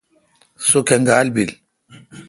سو کنگال بیل۔